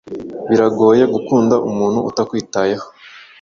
Biragoye gukunda umuntu utakwitayeho